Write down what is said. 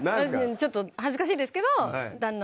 ちょっと恥ずかしいですけど。